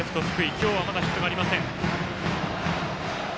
今日はまだヒットがありません。